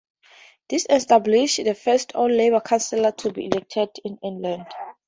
This established the first all-Labour council to be elected in England.